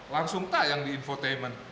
langsung tayang di infotainment